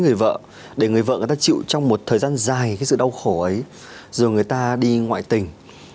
người vợ để người vợ người ta chịu trong một thời gian dài cái sự đau khổ ấy rồi người ta đi ngoại tình